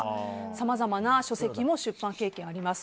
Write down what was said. さまざまな書籍の出版経験もあります。